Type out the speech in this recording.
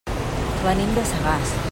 Venim de Sagàs.